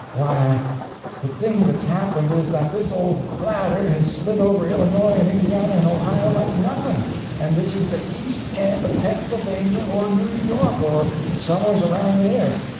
"Why, the thing that's happened is that this old bladder has slid over Illinois and Indiana and Ohio like nothing, and this is the east end of Pennsylvania or New York, or somewheres around there."